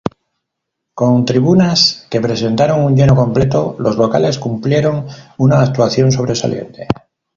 Con tribunas que presentaron un lleno completo los locales cumplieron una actuación sobresaliente.